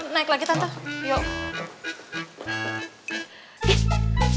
naik lagi tante